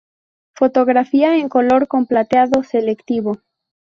Fotografía en color con plateado selectivo.